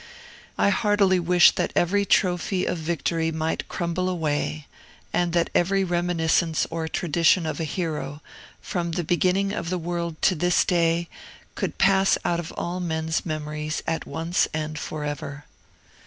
I heartily wish that every trophy of victory might crumble away, and that every reminiscence or tradition of a hero, from the beginning of the world to this day, could pass out of all men's memories at once and forever.